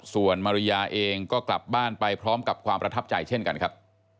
ส่วนมาริยาเองก็กลับบ้านไปพร้อมกับความประทับใจเช่นกันครับ